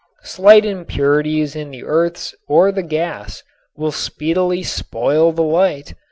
Slight impurities in the earths or the gas will speedily spoil the light.